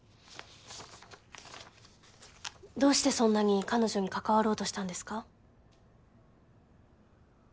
どうしてそんなに彼女に関わろうとしたんですか？